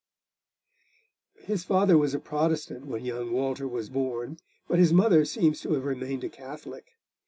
His father was a Protestant when young Walter was born, but his mother seems to have remained a Catholic.